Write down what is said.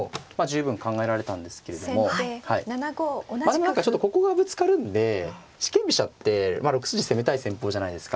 でも何かちょっとここがぶつかるんで四間飛車って６筋攻めたい戦法じゃないですか。